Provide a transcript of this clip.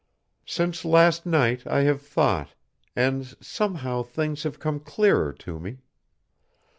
"Since last night I have thought, and somehow things have come clearer to me.